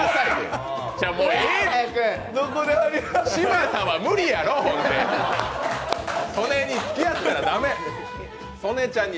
嶋佐は無理やろ、ほんで。